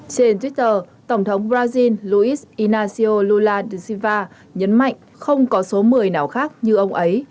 trên twitter tổng thống brazil luiz inácio lula da silva nhấn mạnh không có số một mươi nào khác như ông ấy